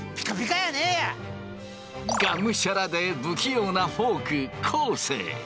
がむしゃらで不器用なフォーク昴生。